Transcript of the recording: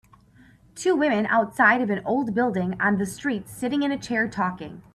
Two women outside of the old building on the street sitting in a chair talking